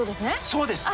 そうです！